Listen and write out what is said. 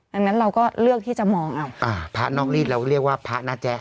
ดังนั้นเราก็เลือกที่จะมองเอาอ่าพระนอกรีดเราเรียกว่าพระนะแจ๊